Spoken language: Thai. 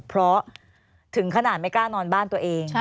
เพราะถึงขนาดไม่กล้านอนบ้านตัวเอง